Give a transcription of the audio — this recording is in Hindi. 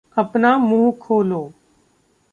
अपना मूँह खोलो!